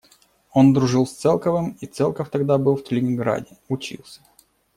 Он дружил с Целковым, и Целков тогда был в Ленинграде, учился.